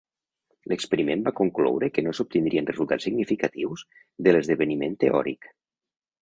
L'experiment va concloure que no s'obtindrien resultats significatius de l'esdeveniment teòric.